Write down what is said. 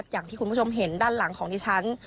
อย่างที่คุณผู้ชมเห็นด้านหลังของดิฉัน